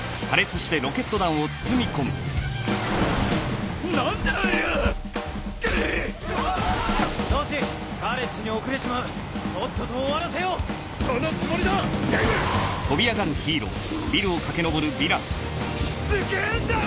しつけぇんだよ！